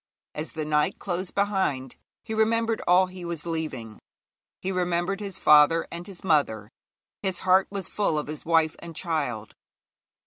As the night closed behind he remembered all he was leaving: he remembered his father and his mother; his heart was full of his wife and child.